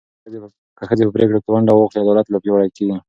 که ښځې په پرېکړو کې ونډه واخلي، عدالت لا پیاوړی کېږي.